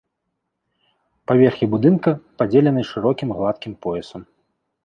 Паверхі будынка падзеленыя шырокім гладкім поясам.